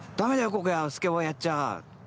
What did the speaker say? ここスケボーやっちゃ。